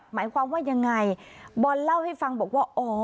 หมายความว่ายังไงบอลเล่าให้ฟังบอกว่าอ๋อ